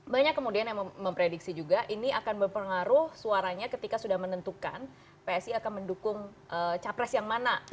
banyak kemudian yang memprediksi juga ini akan berpengaruh suaranya ketika sudah menentukan psi akan mendukung capres yang mana